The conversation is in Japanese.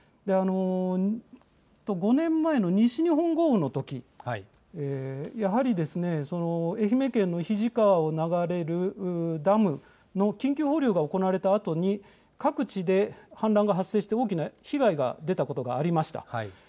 ５年前の西日本豪雨のとき、やはり愛媛県のひじ川を流れるダムの緊急放流が行われたあとに、各地で氾濫が発生して、大きな被害が出たことがありました。